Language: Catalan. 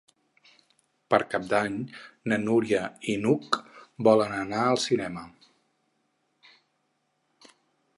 Per Cap d'Any na Núria i n'Hug volen anar al cinema.